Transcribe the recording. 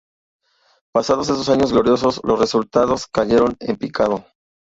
Pasados esos años gloriosos, los resultados cayeron en picado.